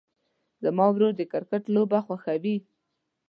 زما ورور د کرکټ لوبه خوښوي.